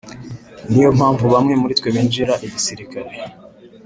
“Niyo mpamvu bamwe muri twe binjira igisirikare